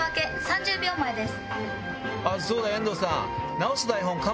あっそうだ遠藤さん。